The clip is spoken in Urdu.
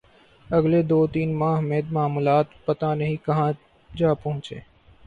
اگلے دو تین ماہ میں معاملات پتہ نہیں کہاں جا پہنچیں۔